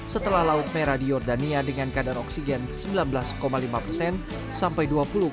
setelah laut merah di jordania dengan kadar oksigen sembilan belas lima persen sampai dua puluh empat